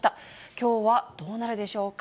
きょうはどうなるでしょうか。